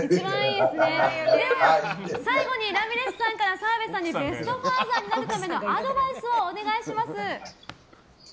では、最後にラミレスさんから澤部さんにベスト・ファーザーになるためのアドバイスをお願いします。